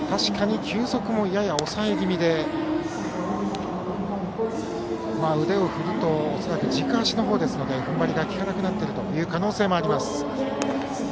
確かに球速もやや抑え気味で腕を振ると恐らく軸足の方ですので踏ん張りが利かなくなっているという可能性もあります。